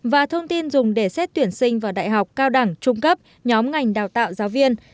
và thông tin dùng để xét tuyển sinh vào đại học cao đẳng trung cấp nhóm ngành đào tạo giáo viên